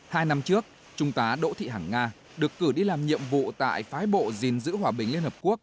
hai năm trước trung tá đỗ thị hằng nga được cử đi làm nhiệm vụ tại phái bộ gìn giữ hòa bình liên hợp quốc